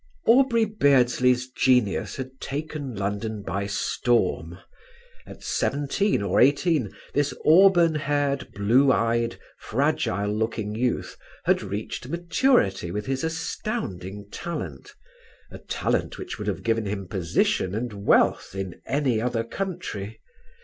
Aubrey Beardsley's genius had taken London by storm. At seventeen or eighteen this auburn haired, blue eyed, fragile looking youth had reached maturity with his astounding talent, a talent which would have given him position and wealth in any other country.